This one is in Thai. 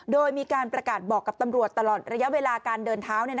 โดยมีการประกาศบอกกับตำรวจตลอดระยะเวลาการเดินเท้า